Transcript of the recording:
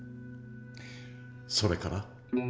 それから？